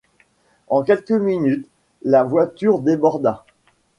En quelques minutes, la voiture déborda.